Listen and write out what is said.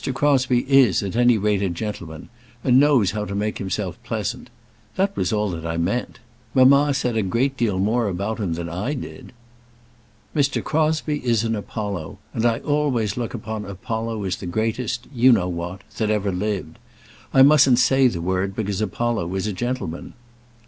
Crosbie is, at any rate, a gentleman, and knows how to make himself pleasant. That was all that I meant. Mamma said a great deal more about him than I did." "Mr. Crosbie is an Apollo; and I always look upon Apollo as the greatest you know what that ever lived. I mustn't say the word, because Apollo was a gentleman."